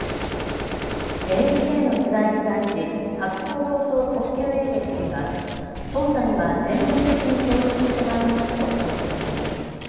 ＮＨＫの取材に対し博報堂と東急エージェンシーは捜査には全面的に協力してまいりますとコメントしています。